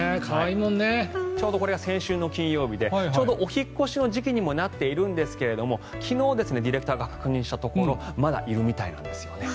これが先週の金曜日でちょうどお引っ越しの時期にもなっているんですが昨日、ディレクターが確認したところまだいるみたいなんですね。